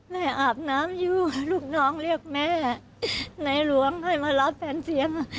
อาบน้ำอยู่ลูกน้องเรียกแม่ในหลวงให้มารับแฟนเสียง